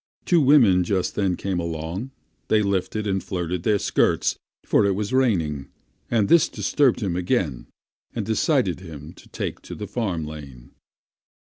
Two women just then came along; they lifted and flirted their skirts, for it was raining, and this disturbed him again and decided him to take to the farm lane.